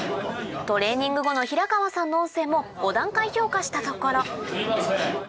トレーニング後の平川さんの音声も５段階評価したところすいません。